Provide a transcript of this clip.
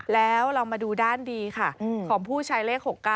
แล้วเรามาดูด้านดีค่ะของผู้ใช้เลข๖๙